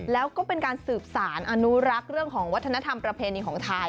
แล้วก็เป็นการสืบสารอนุรักษ์เรื่องของวัฒนธรรมประเพณีของไทย